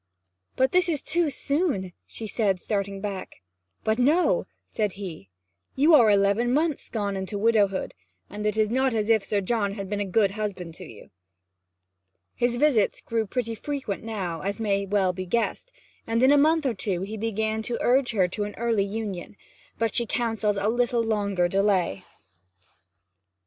'But this is too soon,' she said, starting back. 'But no,' said he. 'You are eleven months gone in widowhood, and it is not as if Sir John had been a good husband to you.' His visits grew pretty frequent now, as may well be guessed, and in a month or two he began to urge her to an early union. But she counselled a little longer delay.